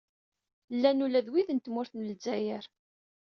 Llan ula d wid n tmurt n Lezzayer.